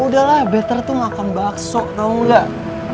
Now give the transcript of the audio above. udahlah better tuh makan bakso tau enggak